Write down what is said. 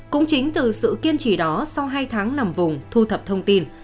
cũng chính từ sự kiên trì đó sau hai tháng nằm vùng thu thập thông tin